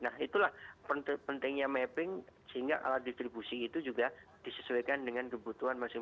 nah itulah pentingnya mapping sehingga alat distribusi itu juga disesuaikan dengan kebutuhan masing masing